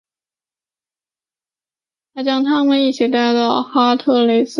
他将他们一起带到特哈雷斯并且杀了他们。